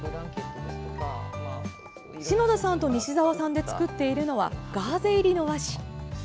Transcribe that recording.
篠田さんと西澤さんで作っているのはガーゼ入りの和紙。